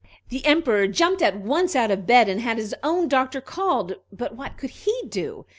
The Emperor jumped at once out of bed, and had his own doctor called; but what could he do?